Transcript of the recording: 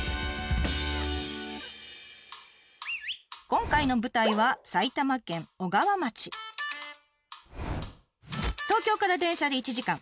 今回の舞台は東京から電車で１時間。